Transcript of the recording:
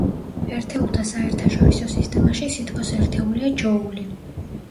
ერთეულთა საერთაშორისო სისტემაში სითბოს ერთეულია ჯოული.